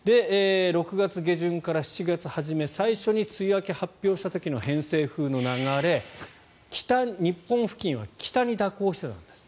６月下旬から７月初め最初に梅雨明け発表した時の偏西風の流れ、日本付近は北に蛇行していたんです。